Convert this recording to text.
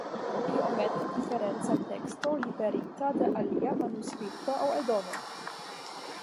Iomete diferenca teksto, liverita de alia manuskripto aŭ eldono.